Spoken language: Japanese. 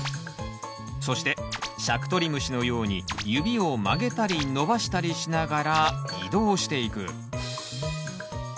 そしてしゃくとり虫のように指を曲げたり伸ばしたりしながら移動していく。